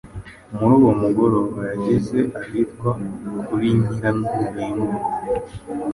muri uwo mugoroba yageze ahitwa kuri Nyirantarengwa,